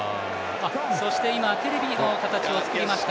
そしてテレビの形を作りました。